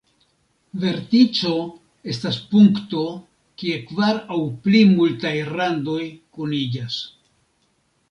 Vertico estas punkto kie kvar aŭ pli multaj randoj kuniĝas.